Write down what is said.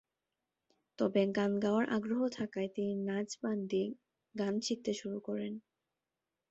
তবে গান গাওয়ার আগ্রহ থাকায় তিনি নাচ বাদ দিয়ে গান শিখতে শুরু করেন।